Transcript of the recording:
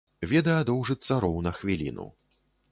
Відэа доўжыцца роўна хвіліну.